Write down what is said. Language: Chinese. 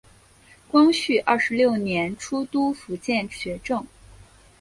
光绪二十六年出督福建学政。